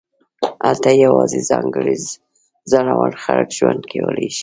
هلته یوازې ځانګړي زړور خلک ژوند کولی شي